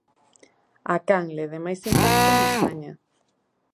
A canle de máis impacto en España.